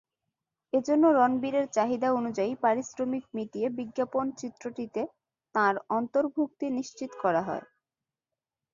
এজন্য রণবীরের চাহিদা অনুযায়ী পারিশ্রমিক মিটিয়ে বিজ্ঞাপনচিত্রটিতে তাঁর অন্তর্ভুক্তি নিশ্চিত করা হয়।